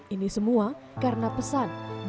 ini semua karena pesan